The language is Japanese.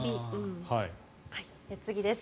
次です。